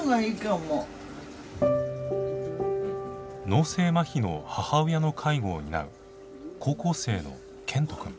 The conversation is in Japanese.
脳性まひの母親の介護を担う高校生の健人くん。